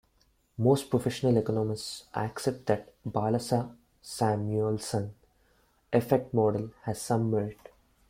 Most professional economists accept that the Balassa-Samuelson effect model has some merit.